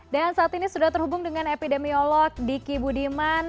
dan saat ini sudah terhubung dengan epidemiolog diki budiman